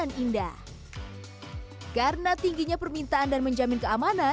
timah lacks de tangled ar podemali